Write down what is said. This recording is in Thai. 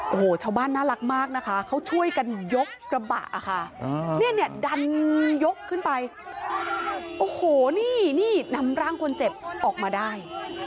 โอ้โหชาวบ้านน่ารักมากนะคะเขาช่วยกันยกกระบะค่ะเนี่ยดันยกขึ้นไปโอ้โหนี่นี่นำร่างคนเจ็บออกมาได้